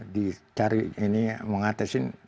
dicari ini mengatesin